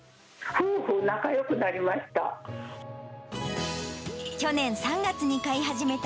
夫婦仲よくなりました。